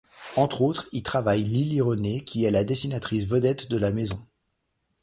Entre autres y travaille Lily Renée qui est la dessinatrice vedette de la maison.